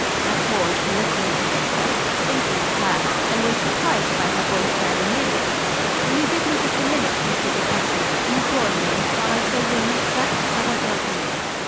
I paused, looking at a picture, but thinking of her, and was surprised by her voice very near me. 'Will you give me just a minute, Mr. De Cresseron, in the drawing room, while I show you a miniature? I want your opinion.'